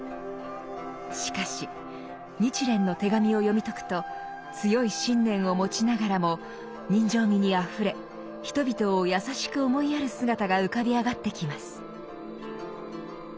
しかし「日蓮の手紙」を読み解くと強い信念を持ちながらも人情味にあふれ人々を優しく思いやる姿が浮かび上がってきます。